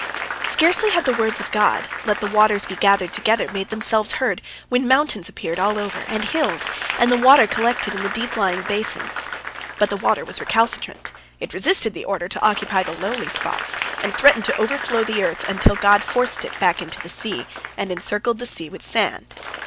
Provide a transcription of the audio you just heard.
Scarcely had the words of God, "Let the waters be gathered together," made themselves heard, when mountains appeared all over and hills, and the water collected in the deep lying basins. But the water was recalcitrant, it resisted the order to occupy the lowly spots, and threatened to overflow the earth, until God forced it back into the sea, and encircled the sea with sand.